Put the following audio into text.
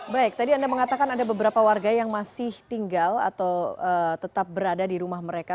baik tadi anda mengatakan ada beberapa warga yang masih tinggal atau tetap berada di rumah mereka